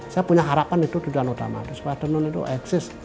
saya punya harapan itu tujuan utama supaya tenun itu eksis